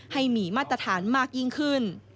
ให้มีมาตรฐานมากยิ่งขึ้น